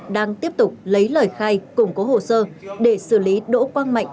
đang tiếp tục lấy lời khai củng cố hồ sơ để xử lý đỗ quang mạnh